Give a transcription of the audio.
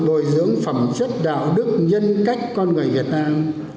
bồi dưỡng phẩm chất đạo đức nhân cách con người việt nam